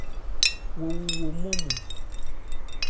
Wo wu wo nmɔ́n-nmɔn.